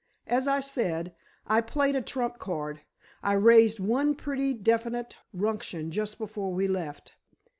As I said, I played a trump card—I raised one pretty definite ruction just before we left.